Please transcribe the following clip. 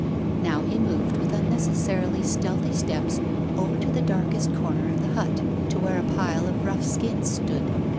Now he moved with unnecessarily stealthy steps over to the darkest corner of the hut, to where a pile of rough skins stood.